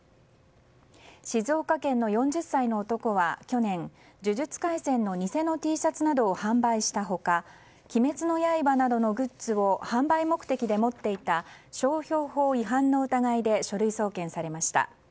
静岡県の４０歳の男は去年「呪術廻戦」の偽のＴシャツなどを販売した他「鬼滅の刃」などのグッズを販売目的で持っていた商標法違反の疑いで書類送検されました。